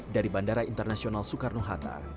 dari bandara internasional soekarno hatta